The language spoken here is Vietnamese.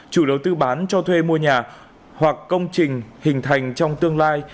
chủ đầu tư bán cho thuê mua nhà hoặc công trình hình thành trong tương lai